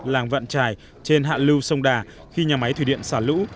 làng vận trài trên hạ lưu sông đà khi nhà máy thủy điện xả lũ